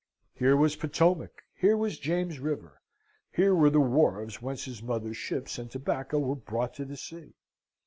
Here was Potomac; here was James river; here were the wharves whence his mother's ships and tobacco were brought to the sea.